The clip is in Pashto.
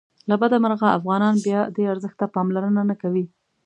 له بده مرغه افغانان بیا دې ارزښت ته پاملرنه نه کوي.